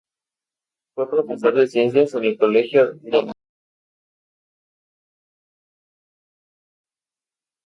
Fue profesor de Ciencias en Colegio de La Salle, Santiago.